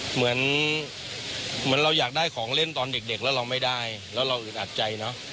เหมือนเราอยากได้ของเล่นตอนเด็กแล้วเราไม่ได้แล้วเราอึดอัดใจเนอะ